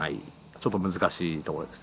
ちょっと難しいところです。